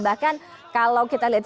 bahkan kalau kita lihat